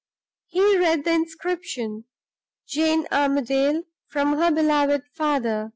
He read the inscription "Jane Armadale, from her beloved father.